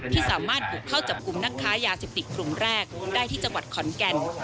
ที่สามารถบุกเข้าจับกลุ่มนักค้ายาเสพติดกลุ่มแรกได้ที่จังหวัดขอนแก่น